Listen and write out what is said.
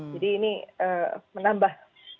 jadi ini menambah